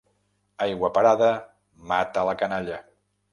Aigua parada mata la canalla.